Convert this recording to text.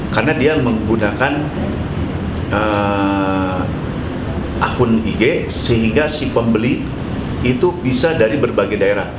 karena dia menggunakan akun ig sehingga si pembeli itu bisa dari berbagai daerah